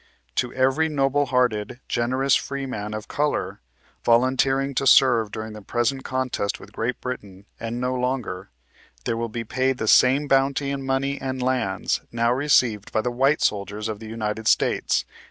" To every noble hearted, generous freeman of color, volunteering to serve during the present contest with Great Britain, and no longer, there will be paid the same bounty in money and lands, now received by the white soldiers of the United States, viz.